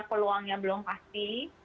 peluangnya belum pasti